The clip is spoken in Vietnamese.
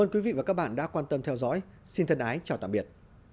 ơn các bạn đã quan tâm theo dõi xin thân ái chào tạm biệt